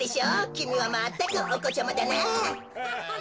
きみはまったくおこちゃまだなあ。